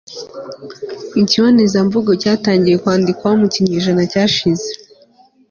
ikibonezamvugo cyatangiye kwandikwaho mu kinyejana cyashize